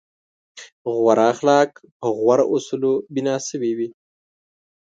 غوره اخلاق په غوره اصولو بنا شوي وي.